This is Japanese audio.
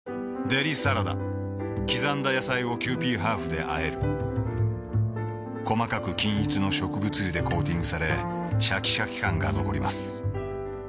デリサラダ刻んだ野菜をキユーピーハーフであえる細かく均一の植物油でコーティングされシャキシャキ感が残ります